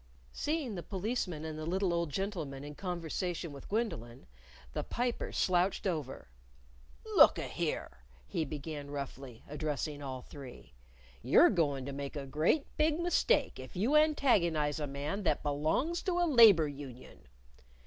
Seeing the Policeman and the little old gentleman in conversation with Gwendolyn, the Piper slouched over. "Look a here!" he began roughly, addressing all three; "you're goin' to make a great big mistake if you antagonize a man that belongs to a Labor Union."